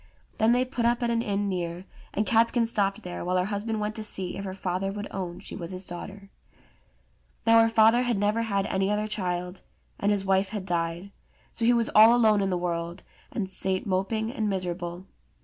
Then they put up at an inn near, and Catskin stopped there, while her husband went to see if her father would own she was his daughter. Now her father had never had any other child, and his wife had died ; so he was all alone in the world, and sate moping and miserable.